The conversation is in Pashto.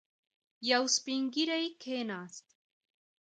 يو سپين ږيری کېناست.